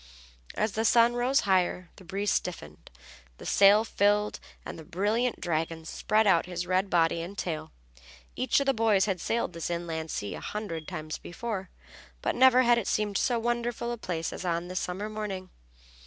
As the sun rose higher the breeze stiffened, the sail filled and the brilliant dragon spread out his red body and tail. Each of the boys had sailed this inland sea a hundred times before, but never had it seemed so wonderful a place as on this summer morning.